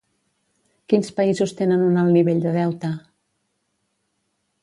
Quins països tenen un alt nivell de deute?